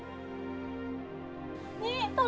saya butuh biaya tuhan